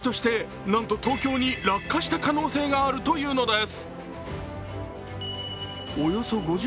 この火球、隕石としてなんと東京に落下した可能性があるというのです。